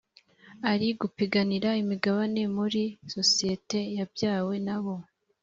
ari gupiganira imigabane muri sosiyete yabyawe nabo